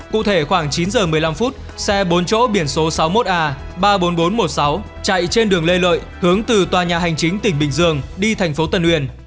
cụ thể khoảng chín giờ một mươi năm phút xe bốn chỗ biển số sáu mươi một a ba mươi bốn nghìn bốn trăm một mươi sáu chạy trên đường lê lợi hướng từ tòa nhà hành chính tỉnh bình dương đi thành phố tân uyên